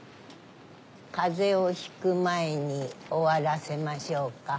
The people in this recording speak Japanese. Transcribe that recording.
風邪をひく前に終わらせましょうか。